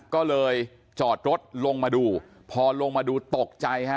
ก็เลยจอดรถลงมาดูพอลงมาดูตกใจฮะ